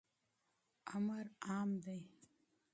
امر عام دی.